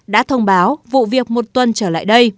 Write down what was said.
đã thông báo vụ việc một tuần trở lại đây